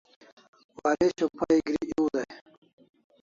Waresho pay gri ew dai